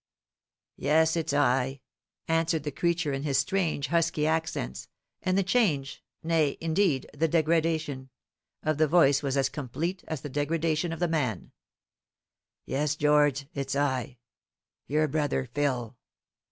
"Yes, it's I," answered the creature in his strange husky accents; and the change nay, indeed, the degradation, of the voice was as complete as the degradation of the man. "Yes, George, it's I; your brother Phil.